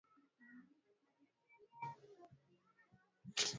Ekuador ilikuwa koloni la Hispania hivyo lugha ya wakazi wengi na